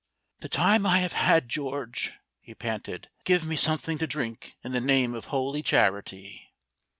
"The time I have had, George!" he panted. "Give me something to drink in the name of Holy Charity."